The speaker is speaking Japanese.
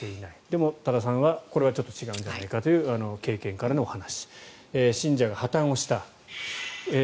でも多田さんはこれはちょっと違うんじゃないかという経験からのお話。